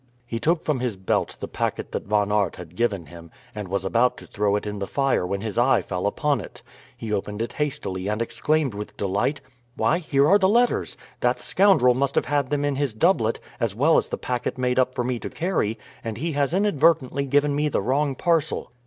He took from his belt the packet that Von Aert had given him, and was about to throw it in the fire when his eye fell upon it. He opened it hastily, and exclaimed with delight, "Why, here are the letters! That scoundrel must have had them in his doublet, as well as the packet made up for me to carry, and he has inadvertently given me the wrong parcel.